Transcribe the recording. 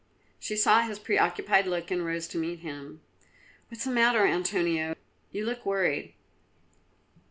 She saw his preoccupied look and rose to meet him. "What is the matter, Antonio? You look worried."